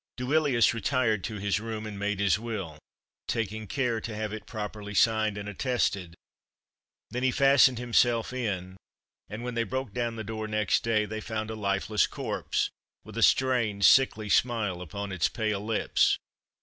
Duilius retired to his room and made his will, taking care to have it properly signed and attested. Then he fastened himself in; and when they broke down the door next day they found a lifeless corpse, with a strange sickly smile upon its pale lips.